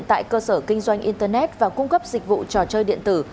tại cơ sở kinh doanh internet và cung cấp dịch vụ trò chơi điện tử